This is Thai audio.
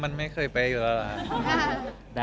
มันไม่เคยเป๊ะอยู่แล้วล่ะครับ